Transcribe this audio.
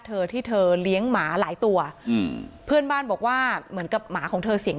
เธอที่เธอเลี้ยงหมาหลายตัวอืมเพื่อนบ้านบอกว่าเหมือนกับหมาของเธอเสียง